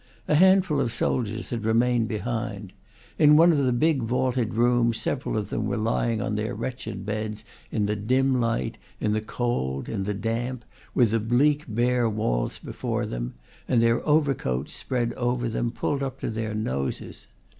A handful of soldiers had remained behind. In one of the big vaulted rooms several of them were lying on their wretched beds, in the dim light, in the cold, in the damp, with the bleak, bare walls before them, and their overcoats, spread over them, pulled up to their noses.